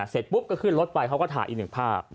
เสร็จปุ๊บก็ขึ้นรถไปเขาก็ถ่ายอีกหนึ่งภาพ